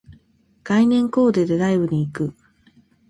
概念コーデでライブに行く